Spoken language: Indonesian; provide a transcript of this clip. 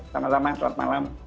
sama sama selamat malam